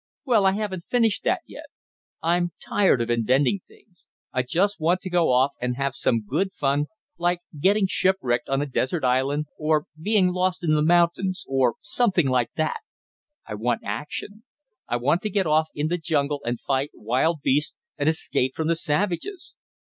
"Well, I haven't finished that yet. I'm tired of inventing things. I just want to go off, and have some good fun, like getting shipwrecked on a desert island, or being lost in the mountains, or something like that. I want action. I want to get off in the jungle, and fight wild beasts, and escape from the savages!"